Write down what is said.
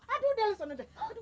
aduh udah lu sana deh